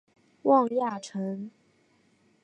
汪亚尘。